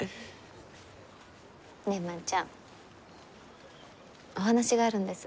ねえ万ちゃんお話があるんです。